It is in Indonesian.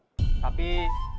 bukti dan saksi yang didapatkan